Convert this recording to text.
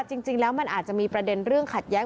จริงแล้วมันอาจจะมีประเด็นเรื่องขัดแย้ง